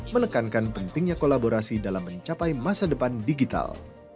menekankan pentingnya kolaborasi dalam mencapai masa depan digital